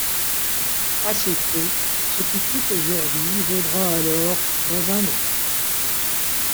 À ce taux, ce qui coûte aujourd'hui vaudra alors dans un an.